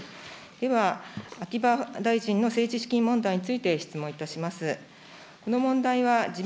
では、秋葉大臣の政治資金問題について質問いたします。